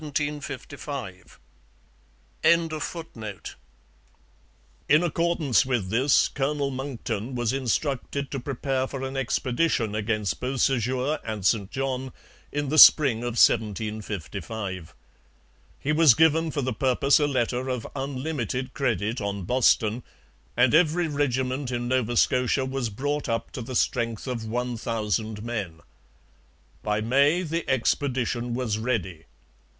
] In accordance with this Colonel Monckton was instructed to prepare for an expedition against Beausejour and St John in the spring of 1755. He was given for the purpose a letter of unlimited credit on Boston; and every regiment in Nova Scotia was brought up to the strength of one thousand men. By May the expedition was ready.